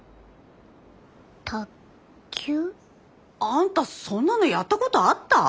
あんたそんなのやったことあった？